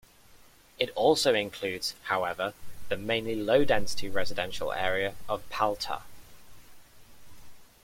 It also includes, however, the mainly low-density residential area of Paltta.